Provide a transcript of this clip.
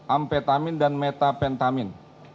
ampetamin dan metapentamin